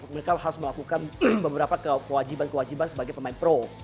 mereka harus melakukan beberapa kewajiban kewajiban sebagai pemain pro